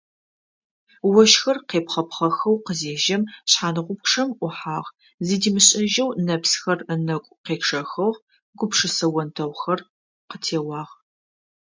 Ощхыр къепхъэпхъэхэу къызежьэм шъхьангъупчъэм ӏухьагъ, зыдимышӏэжьэу нэпсхэр ынэкӏу къечъэхыгъ, гупшысэ онтэгъухэр къытеуагъ.